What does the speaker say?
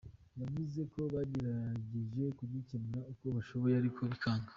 Yavuze ko bagerageje kugikemura uko bashoboye ariko bikanga.